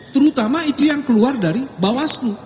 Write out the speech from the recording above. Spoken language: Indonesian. terutama itu yang keluar dari bawaslu